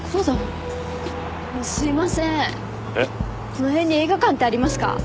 この辺に映画館ってありますか？